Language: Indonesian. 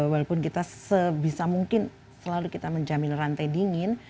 walaupun kita sebisa mungkin selalu kita menjamin rantai dingin